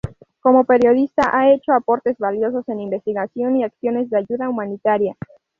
Como periodista ha hecho aportes valiosos en investigación y acciones de ayuda humanitaria.